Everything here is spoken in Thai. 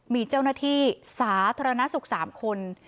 มีเจ้าหน้าที่สาธารณสุข๓คน